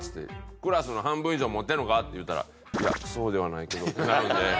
「クラスの半分以上持ってるのか？」って言うたら「いやそうではないけど」ってなるので。